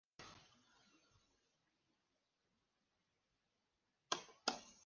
Schleicher ofreció el puesto de Vice-Canciller a Gregor Strasser, un líder nazi.